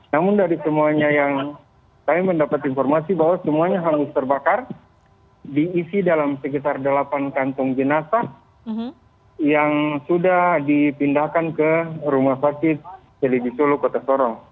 namun dari semuanya yang saya mendapat informasi bahwa semuanya hangus terbakar diisi dalam sekitar delapan kantung jenazah yang sudah dipindahkan ke rumah sakit selidi solo kota sorong